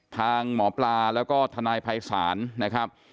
ทางหมอปลาแล้วก็ทนายภัยศาลนะครับ